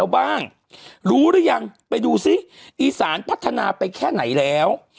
บ้างรู้หรือยังไปดูซิอีสานพัฒนาไปแค่ไหนแล้ว